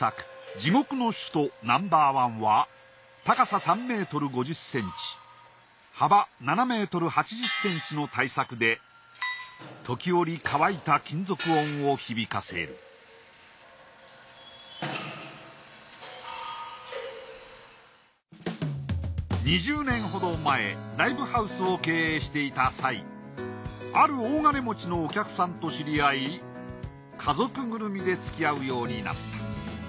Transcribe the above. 『地獄の首都Ｎｏ．１』は高さ３ｍ５０ｃｍ幅７ｍ８０ｃｍの大作で時折乾いた金属音を響かせる２０年ほど前ライブハウスを経営していた際ある大金持ちのお客さんと知り合い家族ぐるみで付き合うようになった。